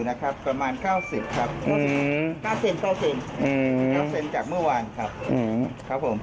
น้ำเซนจากเมื่อวานครับครับผม